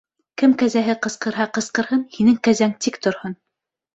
Кем кәзәһе ҡысҡырһа ҡысҡырһын, һинең кәзәң тик торһон.